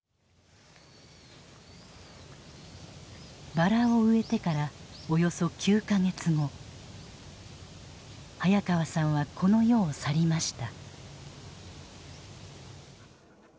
バラを植えてからおよそ９か月後早川さんはこの世を去りました。